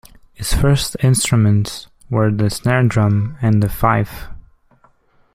His first instruments were the snare drum and the fife.